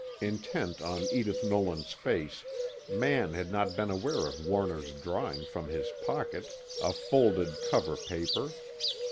Intent on Edith Nolan's face, Mann had not been aware of Warner's drawing from his pocket a folded cover paper.